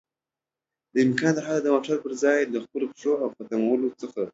دامکان ترحده د موټر پر ځای له خپلو پښو او قدم وهلو څخه